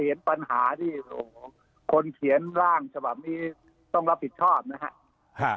เห็นปัญหาที่คนเขียนร่างฉบับนี้ต้องรับผิดชอบนะครับ